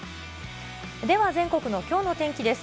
では全国のきょうの天気です。